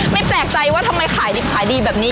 แปลกใจว่าทำไมขายดิบขายดีแบบนี้